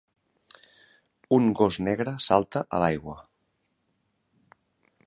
Un gos negre salta a l'aigua.